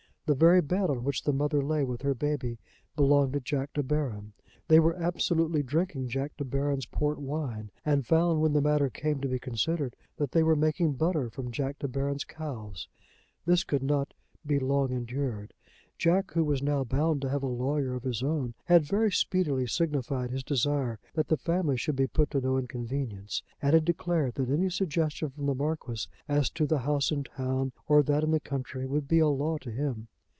The very bed on which the mother lay with her baby belonged to Jack De Baron. They were absolutely drinking Jack De Baron's port wine, and found, when the matter came to be considered, that they were making butter from Jack De Baron's cows. This could not be long endured. Jack, who was now bound to have a lawyer of his own, had very speedily signified his desire that the family should be put to no inconvenience, and had declared that any suggestion from the Marquis as to the house in town or that in the country would be a law to him.